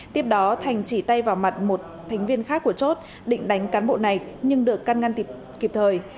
tiếp đó thành chỉ tay vào mặt một thành viên khác của chốt định đánh cán bộ này nhưng được căn ngăn tiệp kịp thời